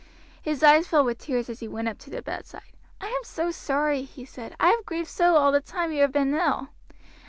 His eyes filled with tears as he went up to the bedside. "I am so sorry!" he said; "I have grieved so all the time you have been ill."